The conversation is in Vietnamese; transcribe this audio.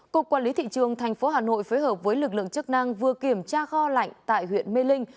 cục quản lý thị trường thành phố hà nội phối hợp với lực lượng chức năng vừa kiểm tra kho lạnh tại huyện mê linh